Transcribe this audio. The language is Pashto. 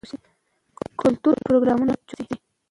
کلتوري پروګرامونه باید جوړ شي.